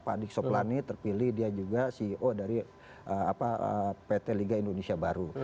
pak adik soplane terpilih dia juga ceo dari pt liga indonesia baru